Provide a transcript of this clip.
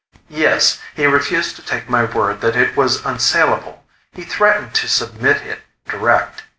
"Yes. He refused to take my word that it was unsalable. He threatened to submit it direct.